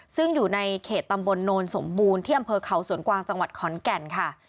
ซึ่งอยู่ในเขตตำบลโนนสมบูรณ์ที่อำเภอเขาสวนกวางจังหวัดขอนแก่นค่ะ